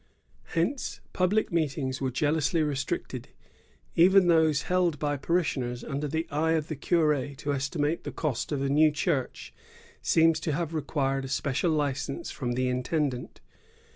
"^ Hence public meet ings were jealously restricted. Even those held by parishioners under the eye of the curd to estimate the cost of a new church seem to have required a special license from the intendant.